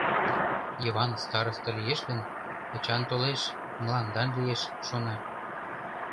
Йыван староста лиеш гын, Эчан толеш, мландан лиеш, шона.